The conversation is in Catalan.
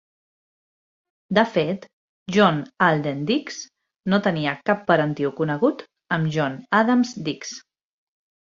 De fet, John Alden Dix no tenia cap parentiu conegut amb John Adams Dix.